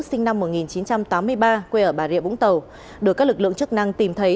sinh năm một nghìn chín trăm tám mươi ba quê ở bà rịa vũng tàu được các lực lượng chức năng tìm thấy